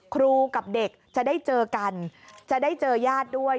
ครูกับเด็กจะได้เจอกันจะได้เจอญาติด้วย